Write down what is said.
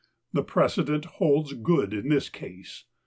The precedent holds good in this case.